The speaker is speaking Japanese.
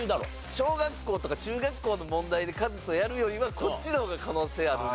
小学校とか中学校の問題でカズとやるよりはこっちの方が可能性あるので。